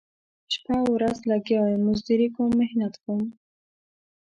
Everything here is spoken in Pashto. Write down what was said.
شپه ورځ لګیا یم مزدوري کوم محنت کومه